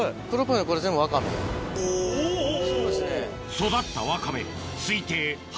育ったワカメ